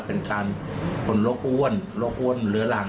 เป็นคนลดอ้วนหรือหลัง